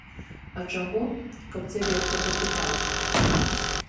А чаго, каб цябе хто папытаў.